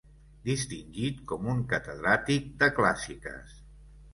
Distingit com un catedràtic de clàssiques.